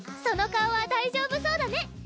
その顔は大丈夫そうだね！